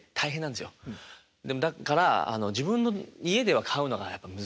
でもだから自分の家では飼うのがやっぱ難しい。